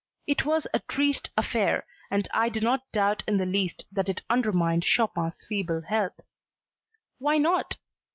It was a triste affair and I do not doubt in the least that it undermined Chopin's feeble health. Why not!